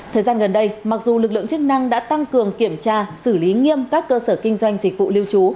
thời gian gần đây mặc dù lực lượng chức năng đã tăng cường kiểm tra xử lý nghiêm các cơ sở kinh doanh dịch vụ lưu trú